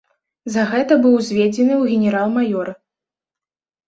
За гэта быў узведзены ў генерал-маёры.